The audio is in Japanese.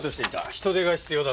人手が必要だ。